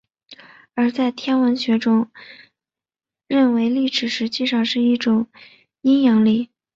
而在天文学中认为农历实际上是一种阴阳历。